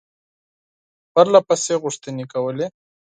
پرله پسې غوښتني کولې.